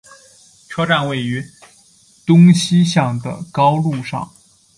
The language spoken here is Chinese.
车站位于东西向的高路上。